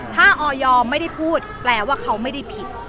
ถ้าออยไม่ได้พูดแปลว่าเขาไม่ได้ผิด